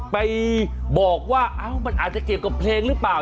ไปบอกว่ามันอาจจะเกี่ยวกับเพลงหรือเปล่า